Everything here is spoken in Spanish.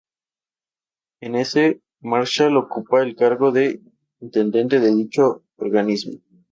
En ese instante, Marshall ocupaba el cargo de intendente en dicho organismo.